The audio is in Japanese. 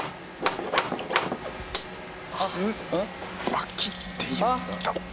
バキッていった。